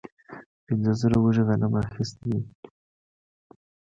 پنځه زره وږي غنم اخیستي دي.